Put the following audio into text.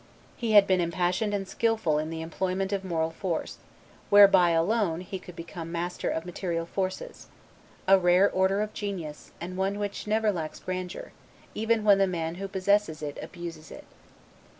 He had been impassioned and skilful in the employment of moral force, whereby alone he could become master of material forces; a rare order of genius, and one which never lacks grandeur, even when the man who possesses it abuses it.